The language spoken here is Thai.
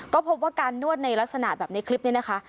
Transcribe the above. ก็พบว่าการนวดในลักษณะแบบในคลิปนี้นะคะ